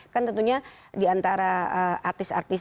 kan tentunya diantara artis artis